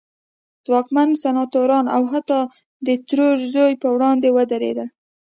ځواکمن سناتوران او حتی د ترور زوی پر وړاندې ودرېدل.